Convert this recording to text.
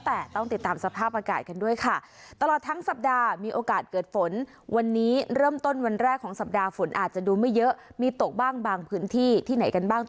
แต่ต้องติดตามสภาพอากาศกันด้วยค่ะ